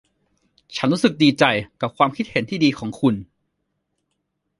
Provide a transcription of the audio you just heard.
ฉันรู้สึกดีใจกับความคิดเห็นที่ดีของคุณ